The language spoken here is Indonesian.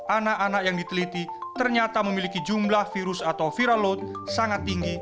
anak anak yang diteliti ternyata memiliki jumlah virus atau viral load sangat tinggi